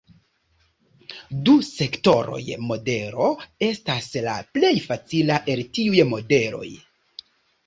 Du-sektoroj-modelo estas la plej facila el tiuj modeloj.